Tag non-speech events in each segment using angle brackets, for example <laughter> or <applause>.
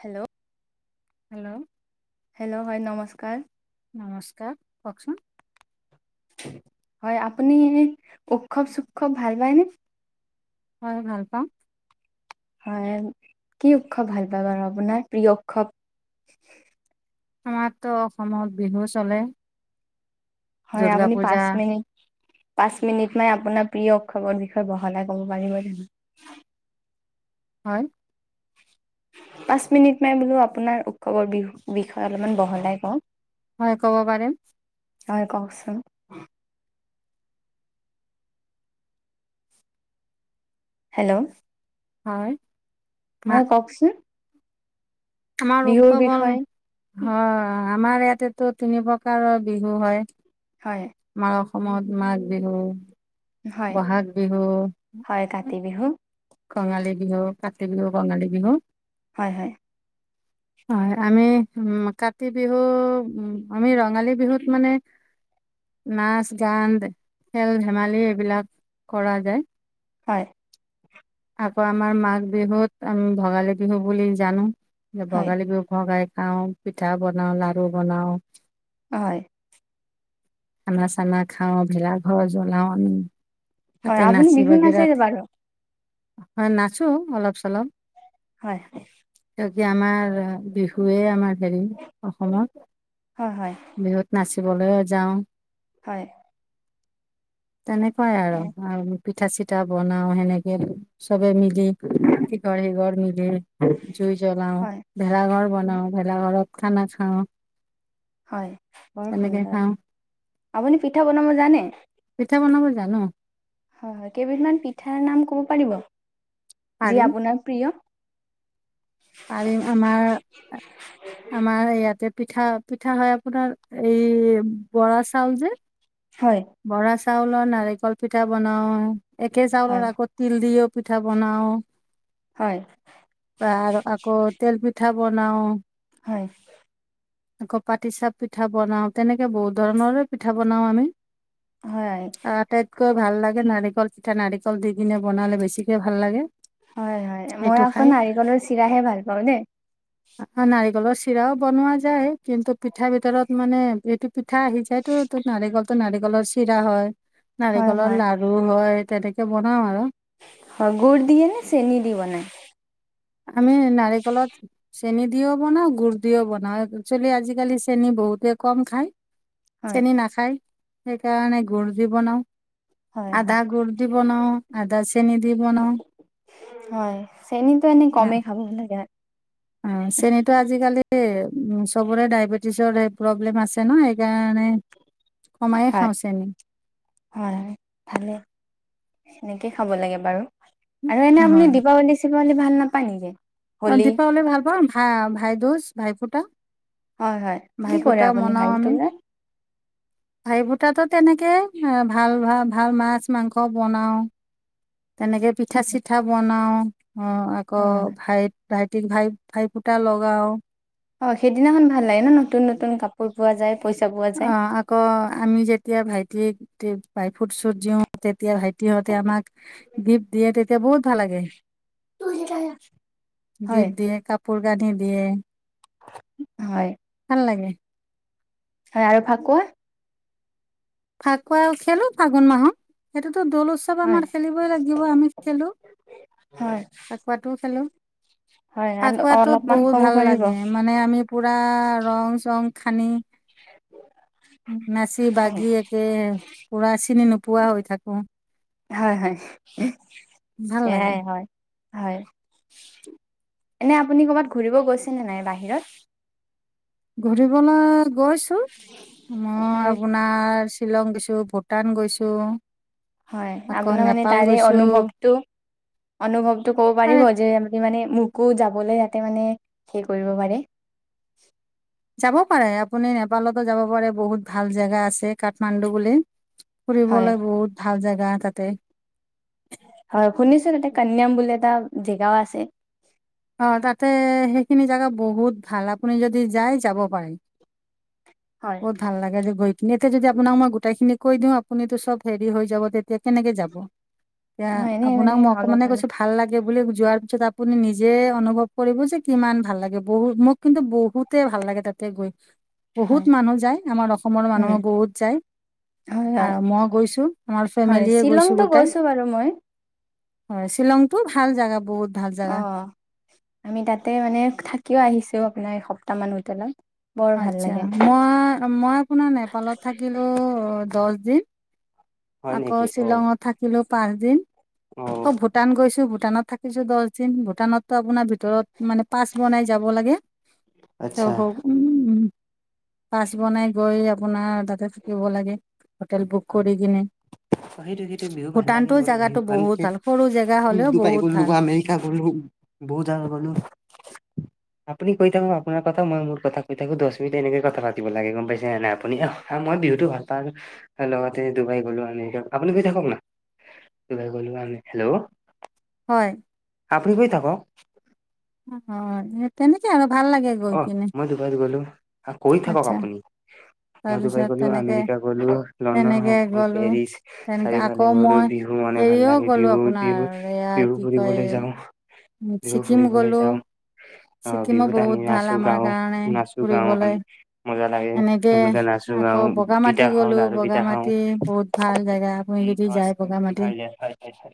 Hello. Hello. Hello হয় নমস্কাৰ। নমস্কাৰ, কওঁক চোন? হয়, আপুনি উৎসৱ-চুৎসৱ ভাল পায় নে? হয় ভাল পাওঁ। হয়, কি উৎসৱ ভাল পায় বাৰু আপোনাৰ প্ৰিয় উৎসৱ? আমাৰতো অসমত বিহু চলে। হয় দুৰ্গা আপুনি পূজা পাঁচ মিনিট পাঁচ মিনিট মানে আপোনাৰ প্ৰিয় উৎসৱৰ বিষয়ে বহলাই ক'ব পাৰিব নেকি? হয়। <inaudible> পাঁচ মিনিট মই বোলোঁ আপোনাৰ উৎসৱৰ বিহুৰ বিষয়ে অলপমান বহলাই কওঁ। হয় ক'ব পাৰে। হয় কওঁকচোন। হেল্ল'। হয়। মা হয় কওঁকচোন। আমাৰ উৎসৱ, বিষয়ে অ' আমাৰ ইয়াতেতো তিনি প্ৰকাৰৰ বিহু হয়। হয়। আমাৰ অসমত মাঘ বিহু, হয় বহাগ বিহু, হয় কাতি বিহু। কঙালী বিহু, কাতি বিহু, কঙালী বিহু। হয় হয়। <inaudible> হয় আমি উম কাতি বিহু উ আমি ৰঙালী বিহুত মানে নাচ গান, খেল ধেমালি, এইবিলাক কৰা যায়। হয়। আকৌ' আমাৰ মাঘ বিহুত আমি ভোগালী বিহু বুলি জানোঁ। হয় ভোগালী বিহু ভগাই খাওঁ পিঠা বনাওঁ, লাৰু বনাওঁ। হয়। খানা চানা খাওঁ, ভেলাঘৰ জ্বলাও আমি, হয় তাতে আপুনি নাচি বিহু বাগি নাচে ৰাতি বাৰু হয়, নাচো অলপ চলপ। হয় হয়। এ, কি আমাৰ বিহ হুৱেই আমাৰ হেৰি অসমত হয় হয় বিহুত নাচিবলৈ যাওঁ। হয়। তেনেকুৱাই আৰু, আৰু পিঠা চিঠা বনাও সেনেকে চবে মি লি ইঘৰ সিঘৰ মিলি জুই জ্বলাও, হয় ভেলাঘৰ বনাও ভেলাঘৰত খানা খাওঁ। হয় বৰ তেনেকে সুন্দৰ, খাওঁ আপুনি পিঠা বনাব জানে? পিঠা বনাব জানো। হয় হয় কেইবিধমান পিঠাৰ নাম ক'ব পাৰিব? যি পাৰিম আপোনাৰ প্ৰিয়? পাৰিম আমাৰ আমাৰ ইয়াতে পিঠা পিঠা হয় আপোনাৰ এই বৰা চাউল যে হয়। বৰা চাউলৰ নাৰিকল পিঠা বনাওঁ, একে হয় চাউলৰ আগত তিল দিও পিঠা বনাওঁ। হয় বা আৰু আকৌ তেল পিঠা বনাওঁ। হয় আকৌ পাতি চাহ পিঠা বনাও, তেনেকে বহুত ধৰণৰে পিঠা বনাও আমি। হয়। আটাইতকৈ ভাল লাগে নাৰিকল পিঠা, নাৰিকল দি কিনে বনালে বেছিকে ভাল লাগে। হয় হয়, মই সেইটো আকৌ খাই নাৰিকলৰ চিৰাহে ভাল পাওঁ দেই। নাৰিকলৰ চিৰাও বনোৱা যায় কিন্তু পিঠা ভিতৰত মানে এইটো পিঠা আহি যায়তো ত' নাৰিকলটো নাৰিকলৰ চিৰা হয়, হয় নাৰিকলৰ হয় লাৰ ৰু হয় তেনেকে বনাওঁ আৰু। হয়, গুৰ দিয়ে নে চেনি দি বনাই? আমি নাৰিকলত চেনি দিওঁ বনাওঁ, গুৰ দিওঁ বনাওঁ, একচোৱেলি আজিকালি চেনি বহুতে কম খায়। হয় চেনি নাখায় সেইকাৰণে গুৰ দি বনাওঁ, হয় হয় আধা গুৰ দি বনাওঁ আধা চেনি দি বনাওঁ। হয়, চেনিটো এনে কমেই খাব লাগে। অ' চেনীটো আজিকালি চবৰে ডায়বেটিছৰ সেই প্ৰব্লেম আছে ন' সেইকাৰণে কমায়ে হয় খাওঁ চেনি। হয়, ভালে, সেনেকেই খাব লাগে বাৰু। আৰু এনে আপুনি হয় দীপাৱলী চিপাৱলী ভাল নাপায় নেকি? অ' হোলী দীপাৱলী ভাল পাওঁ, ভা ভাই দ'জ, ভাই ফুটা। হয় হয়। কি ভাই কৰে ফুটাও আপুনি মনাওঁ আমি। ভাইটিটোলে ভাই ফুটাটো তেনেকে ভাল ভা ভাল মাছ, মাংস বনাওঁ। তেনেকে পিঠা চিঠা বনাওঁ, অ' আকৌ ভাইত ভাইটিক ভাই, ভাই ফুটা লগাও। অ' সেইদিনাখন ভাল লাগে ন' নতুন নতুন কাপোৰ পোৱা যায় পইচা পোৱা যায়। ক আমি যেতিয়া ভাইটিক ভাই ফুট চুট দিওঁ তেতিয়া ভাইটিহঁতে আমাক গিফ্ট দিয়ে তেতিয়া বহুত ভাল লাগে। হয় গিফ্ট দিয়ে কাপ পোৰ কানি দিয়ে। হয়। ভাল লাগে। হয় আৰু ফাকুৱা? ফাকুৱাও খেলোঁ ফাগুণ মাহত, সেইটোতো দলোচ চব হয় আমাৰ খেলিবই লাগিব, আমি খেলোঁ। হয় ফাকুৱাটো খেলোঁ। হয় আৰু ফাকুৱাটোত অলপমান বহুত ক'ব ভাল পাৰিব লাগে মানে আমি পুৰা ৰং চং সানি নাচি হয় বাগি এক এ, পুৰা চিনি নোপোৱা হৈ থাকোঁ। হয় হয়, ভাল লাগে সেয়াই হয়। হয়। এনে আপুনি ক'ৰবাত ঘূৰিব গৈছেনে নাই বাহিৰত? ঘূৰিবলৈ গৈছোঁ, মই আপোনাৰ নাৰ শ্বিলং গৈছোঁ, ভূটান গৈছোঁ। হয়, আপোনাৰ মানে তাৰে অনুভৱটো, অনুভৱটো ক'ব পাৰে পাৰিব যে যি মানে মোকো যাবলৈ যাতে মানে সে কৰিব পাৰে। যাব পাৰে, আপুনি নেপালতো যাব পাৰে, বহুত ভাল জেগা আছে কাঠমাণ্ডু বুলি। হয় ফুৰিবলৈ বহুত ভাল জেগা তাতে। হয়, শুনিছোঁ তাতে কান্যাম বুলি এটা জেগাও আছে। অ' তাতে সেইখিনি জাগা বহুত ভাল, আপুনি যদি যায় যাব পাৰে। হয় বহুত ভাল লাগে যে গৈ এনেটো যদি আপোনাক মই গোটেই খিনি কৈ দিওঁ আপুনিতটো চব হেৰি হৈ যাব। তেতিয়া কেনেকে যাব? এতিয়া হয় এনে আপোনাক মানে মই অলপ অকমানে মানে কৈছো ভাল লাগে বুলি যোৱাৰ পিছত আপুনি নিজ জেই অনুভৱ কৰিব যে কিমান ভাল লাগে, বহু মোক কিন্তু বহুতে ভাল লাগে তাতে গৈ। বহুত হয় মানুহ যায় আমাৰ অসমৰ উম মানুহো বহুত যায়। হয় হয় আৰু মই গৈছোঁ আমাৰ হয় ফেমিলীয়ে গৈছোঁ শ্বিলংতো গোটাই। গৈছো বাৰু মই হয়, শ্বিলংতটো ভাল জাগা বহুত। ভাল জাগা অ', আমি তাতে মানে থাকিও আহিছো। আপোনাৰ এসপ্তাহ মান হোটেলত। বৰ ভাল আচ্ছা, লাগে। মই মই আপোনাৰ নেপালত থাকিলোঁ দহ দিন। <inaudible> আকৌ অ শ্বিলঙত থাকিলো পাঁচদিন। অ'। আকৌ ভূটান গৈছো ভূটানত থাকিছো দহ দিন। ভূটানতো আপোনাৰ ভিতৰত মানে পাচ বনাই যাব লাগে ত আচ্ছা হ পাছ বনাই গৈ আপোনাৰ তাতে থাকিব লাগে। হোটেল বুক কৰি কিনে। সেইটো সেইটো বিহু ভাল লাগে ভূটানতো মোৰো জেগাটো বিহু বহুত মানকে ভাল সৰু জেগা হ'লেও বহুত ভাল <unintelligible> আমেৰিকা গ'লো বহুত জেগা গ'লোঁ। <inaudible> আপুনি কৈ থাকক আপোনাৰ কথা মোৰ কথা কৈ থাকো, দহ মিনিট এনেকে কথা পাতিব লাগে গ'ম পাইছে নে নাই আপুনি? অ'। হা মই বিহুতো ভাল পাওঁ। লগতে ডুবাই গ'লো আমেৰিকা আপুনি গৈ থাকক না, ডুবাই গ'লো আমি, হেল্ল'? হয়। আপুনি কৈ থাকক। অ', তেনেকে আৰু ভাল লাগে। গৈ অ', কিনে মই ডুবাৰত গ'লো, কৈ থাকক আচ্ছা আপুনি। মই ডুবাই তাৰপিছত গ'লো, তেনেকে আমেৰিকা গলো, লণ্ডন, তেনেকে হংকং, গ'লো পেৰিছ তেনেকে আকৌ চাৰিফালে গ'লো মই বিহু মানে ভাল হেৰিও লাগে গ'লো বিহুত, আপোনাৰ বিহুত এয়া বিহু কি কয় ফুৰিবলৈ যাওঁ। বিহু ছিকিম ফুৰিবলৈ গ'লো, যাওঁ আহ ছিকিম বিহুত আমি বহুত ভাল নাচো আমাৰ গাওঁ কাৰণে নাচো গাওঁ ফুৰিবলৈ, আমি মজা লাগে এনেকে সেনেকে নাচো গাওঁ আকৌ পিঠা বগামাটি খাওঁ গ'লোঁ। লাৰু পিঠা খাওঁ বগামাটি বহুত ভাল জেগা, আপুনি যদি যায় বগামাটি।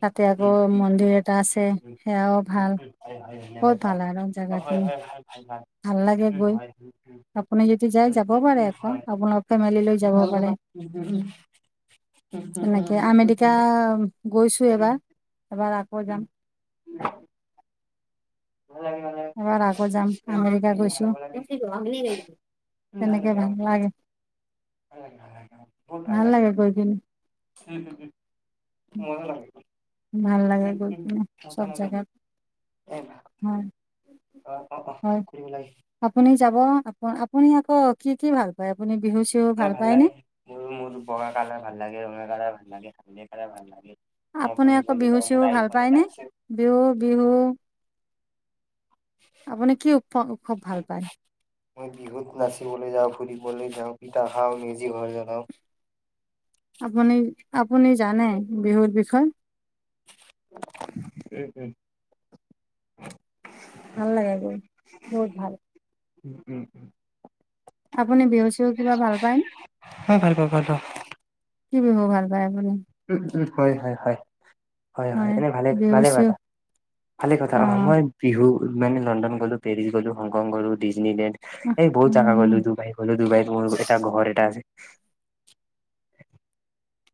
তাতে আকৌ মন্দিৰ এটা আছে সেয়াও ভাল। হয়, হয়। বহুত ভাল আৰু জেগাখিনি। ভাল লাগে উম গৈ। আপুনি যদি যাই যাব পাৰে আকৌ হয়। আপোনাৰ ফেমিলি লৈ যাব পাৰে। <unintelligible> তেনেকে আমেৰিকা গৈছো এবাৰ। ভাল এবাৰ আকৌ যাম। <inaudible> <unintelligible> এবাৰ আকৌ যাম, আমেৰিকা ভাল লাগে ভাল গৈছো হ'ব লাগে তেনেকে লাগে অ ভাল লাগে। ভাল লাগে গৈ পিনে। <unintelligible> মজা লাগে ভাল লাগে গৈ কিনে চব জেগাত <unintelligible> হয়। অ', অ', অ', হয় কৰিব লাগে। আপুনি যাব, আ-আপুনি আকৌ কি কি ভাল পায়? আপুনি বিহু চিহু মই ভাল পায়নে লাগে, মোৰ -মোৰ বগা কালাৰ ভাল লাগে, ৰঙা কালাৰ ভাল লাগে, হালধীয়া কালাৰ ভাল লাগে। মই আপুনি আকৌ ফুৰিবলৈ বিহু যাওঁ, চিহু মোৰ ভাল আইফোন পায়নে এটা আছে। বিহু- বিহু। আপুনি কি উৎস- উৎসৱ ভাল পায়? মই বিহুত নাচিবলৈ যাওঁ, ফুৰিবলৈ যাওঁ, পিঠা খাওঁ, মেজি ঘৰ জ্বলাওঁ। আপুনি, আপুনি জানে বিহুৰ বিষয়ে? উম- উম। ভাল লাগে গৈ, বহুত ভাল। উম। অ', আপুনি বিহু চিহু কিবা ভাল পায় ভাল পাওঁ, ভাল পাওঁ। কি বিহু ভাল পায় আপুনি? উম-উম, হয়-হয়- হয়। হয়-হয় হয় এনে ভালে বিহু -ভালে চিহু কথা, ভালে কথা অ', মই বিহু মানে লণ্ডন গ'লো, পেৰিছ গ'লো, হংকং গলো, ডিজনীলেণ্ড, অ এই বহুত জাগাত গ'লো দুুবাইত গ'লো দুবাইত মোৰ এটা ঘৰ এটা আছে।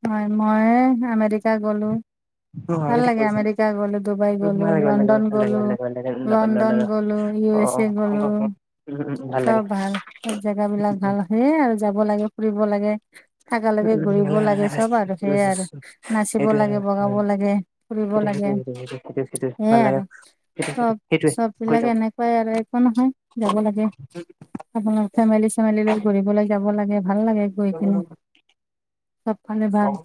হয় মই আমেৰিকা গ'লোঁ। উম, আমি ভাল দেখি লাগে আহিছো। আমেৰিকা গ'লো, ডুবাই উম, ভাল গ'লো, লাগে ভাল লাগে লণ্ডন ভাল লাগে ভাল গলো। লাগে ভাল লাগে উম, লণ্ডন গ'লো, অ ইউ এছ অ, এ গ'লো। Hong Kong Hong Kong. উম উম উম, লাগে চব ভাল, জেগা বিলাক উম উম ভাল সেয়ে আৰু যাব লাগে ফুৰিব লাগে। থাকা লৈকে উম, ঘুৰিব ভাল ভাল লাগে চব আৰু সেইটোৱে সেয়াই আৰু, সেইটো নাচিব লাগে, বগাব সেইটো লাগে। ফুৰিব সেইটো লাগে, সেইটো সেইটো সেইটো ভাল সেইয়াই লাগে আৰু, সেইটো সেইটো সেইটোৱে চব-চব কৈ বিলাক থাকক এনেকে কয় আৰু একো নহয়, যাব লাগে। আপোনাৰ ফেমিলি চেমেলি লৈ ঘুৰিবলৈ যাব লাগে ভাল লাগে। গৈ কিনে, চবফালে উম ভাল।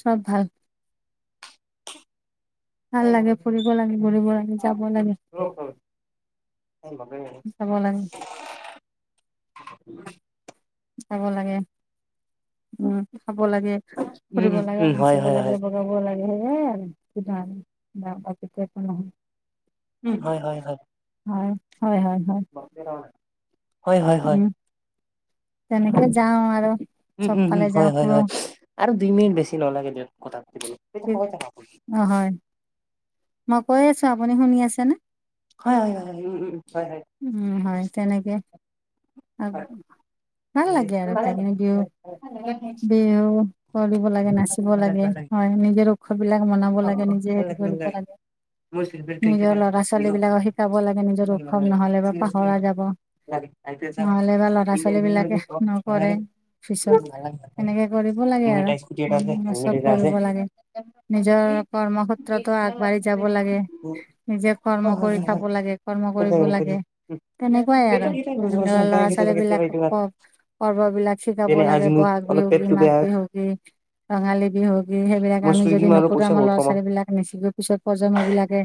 চব ভাল। ভাল লাগে, ফুৰিব লাগে, ঘূৰিব লাগে, যাব লাগে। উম ভালেই। যাব লাগে চাব লাগে। উম, খাব লাগে, উম ফুৰিব লাগে উম হয় নাচিব হয় লাগে হয় ৰ'ব লাগে সেয়াই আৰু, কি কেতিয়াবা একো নহয়। উম, হয়-হয়- হয়। হয়, হয়-হয়-হয়। হয়- হয় -হয়। তেনেকে যাওঁ আৰু, উম, উম, উম, চবফালে হয়, যাওঁ হয়, ফুৰো। হয় আৰু দুই মিনিট বেছি ন লাগে দে কথাটোতে। অ', হয়, মই কৈ আছো, আপুনি শুনি আছেনে? হয়, হয়, হয়, উম, উম, হয়, হয়, উম হয়, তেনেকে। হয়। ভাল মানে লাগে আৰু ভাল খাই দিওঁ। বিহু কৰিব লাগে নাচিব লাগে হয় নিজেতো উৎসৱ বিলাক মনাব অ লাগে অ নিজে ভাল হেৰি ভাল কৰিব লাগে। মোৰ ফেভৰেট নিজৰ ক্ৰিকেটাৰ ল'ৰা-ছোৱালী বিৰাট বিলাকক শিকাব লাগে নিজৰ ভাল লাগে। উৎসৱ নহ'লে বা চি এছ কে পাহৰা যাব। লাগে আই পি এল চাম নহ'লে বা ল'ৰা- ইণ্ডিয়ান ছোৱালী প্ৰিমিয়াৰ বিলাকে লীগ অ ভাল নকৰে লাগে পিছত ভাল লাগে ভাল লাগে। সেনেকে কৰিব লাগে মোৰ এটা আৰু, স্কুটি এটা আছে, উম হেলমেট চব এটা আছে। কৰিব লাগে। নিজৰ কৰ্মক্ষেত্ৰতো আগবাঢ়ি যাব লাগে। নিজে হয়, কৰ্ম কৰি খাব লাগে, কৰ্ম কৰিব লাগে। তেনেকুৱাই আৰু, ল'ৰা হয়, -ছোৱালী বিলাক, হয়, হয়। ক-কৰ্ম বিলাক। শিকাব যেনে লাগে আজি মোৰ বহাগ অলপ বিহু কি? পেটটো মাঘ বেয়া বিহু কি? ৰঙালী বিহু কি সেইবিলাক মই আমি যদি চুইগি মাৰো নকৰো পইচা আমাৰ বহুত লৰা - কমাম ছোৱালীবিলাক এনে চিগৈ পিছত প্ৰজন্মবিলাকে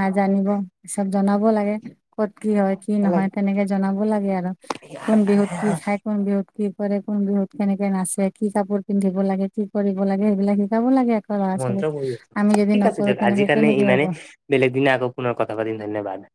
নাজানিব, চব জনাব লাগে। ক'ত কি হয় কি নহয় তেনেকে জনাব লাগে আৰু কোন বিহুত কি খাই? কোন বিহুত কি কৰে কোন বিহুত কেনেকে নাচে কি কাপোৰ পিন্ধিব লাগে কি কৰিব লাগে সেইবিলাক শিকাব লাগে? লৰা - মন্ত্ৰ ছোৱালীক, পঢ়ি আমি যদি ঠিক আছে নকৰোঁ দিয়ক আজিৰ তেনেকে কাৰণে কেনেকৈ ইমানে হ'ব? বেলেগ দিনে আকৌ পুনৰ কথা পাতিম ধন্যবাদ।